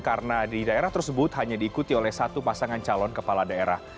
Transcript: karena di daerah tersebut hanya diikuti oleh satu pasangan calon kepala daerah